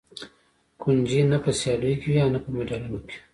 کنجي نه په سیالیو کې وي او نه په مډالونه کې.